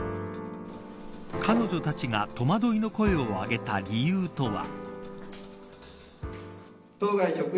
彼女たちが戸惑いの声を上げた理由とは。